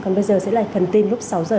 còn bây giờ sẽ là phần tin lúc sáu h